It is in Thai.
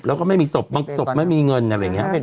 แล้วก็ไม่มีศพบางศพไม่มีเงินอะไรอย่างนี้